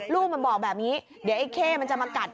ลูกมันบอกแบบนี้เดี๋ยวไอ้เข้มันจะมากัด